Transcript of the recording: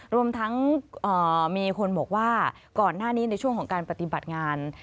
รวมทั้งมีคนบอกว่าก่อนหน้านี้ในช่วงของการปฏิบัติงาน